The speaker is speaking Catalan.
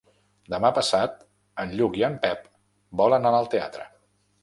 Demà passat en Lluc i en Pep volen anar al teatre.